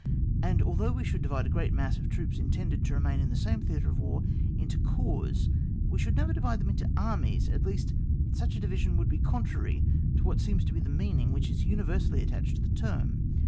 and ^though we should divide a great mass of troops in tended to remain in the same Theatre into corps, we should never divide them into Armies, at least, such a division woidd be contrary to what seems to be the mean ing which is universally attached to the term.